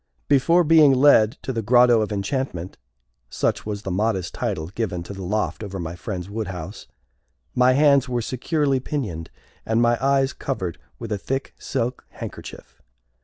Before being led to the Grotto of Enchantment such was the modest title given to the loft over my friend's wood house my hands were securely pinioned, and my eyes covered with a thick silk handkerchief.